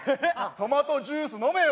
トマトジュース飲めよ。